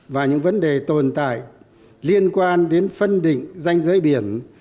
và những vấn đề tồn tại liên quan đến phân định danh giới biển